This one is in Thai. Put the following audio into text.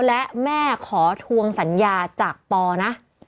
และแม่ขอทวงสัญญาจากปอนะ